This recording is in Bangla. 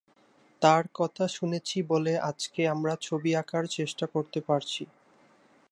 তাঁর কথা শুনেছি বলে আজকে আমরা ছবি আঁকার চেষ্টা করতে পারছি।